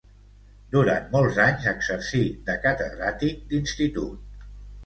Durant molts anys exercí de catedràtic d'institut.